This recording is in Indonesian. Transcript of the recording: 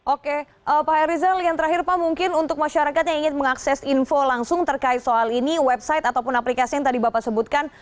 oke pak hairizal yang terakhir pak mungkin untuk masyarakat yang ingin mengakses info langsung terkait soal ini website ataupun aplikasi yang tadi bapak sebutkan